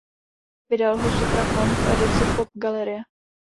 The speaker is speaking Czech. Vydal ho Supraphon v edici Pop galerie.